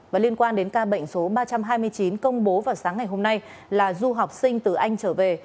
và liên quan đến ca bệnh số ba trăm hai mươi chín công bố vào sáng ngày hôm nay là du học sinh từ anh trở về